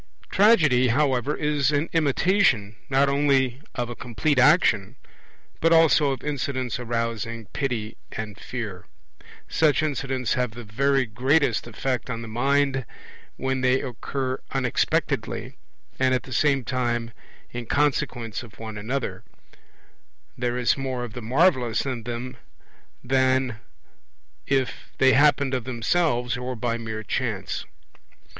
Tragedy, however, is an imitation not only of a complete action, but also of incidents arousing pity and fear. Such incidents have the very greatest effect on the mind when they occur unexpectedly and at the same time in consequence of one another; there is more of the marvellous in them then than if they happened of themselves or by mere chance.